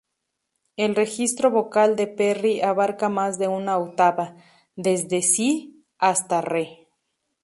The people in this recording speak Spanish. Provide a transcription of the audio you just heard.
El registro vocal de Perry abarca más de una octava, desde "si"♭ hasta "re".